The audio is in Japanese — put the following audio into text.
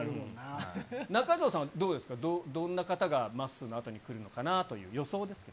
中条さんはどうですか、どんな方がまっすーのあとに来るのかなっていう、予想です。